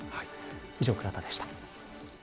以上、倉田でした。